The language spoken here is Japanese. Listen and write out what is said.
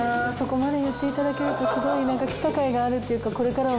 そこまで言っていただけるとすごい来たかいがあるっていうか